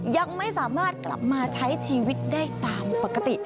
ยังไม่สามารถกลับมาใช้ชีวิตได้ตามปกติ